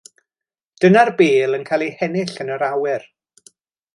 Dyna'r bêl yn cael ei hennill yn yr awyr.